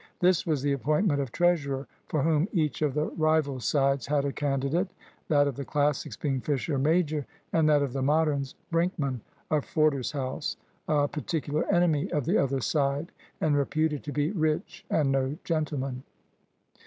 This was the appointment of treasurer, for whom each of the rival sides had a candidate; that of the Classics being Fisher major, and that of the Moderns Brinkman of Forder's house, a particular enemy of the other side, and reputed to be rich and no gentlemen.